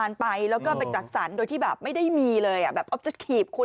เนี้ยคะภาพแบบเที่ยวสบาย